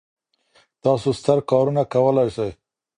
تاسو ستر کارونه کولای سئ.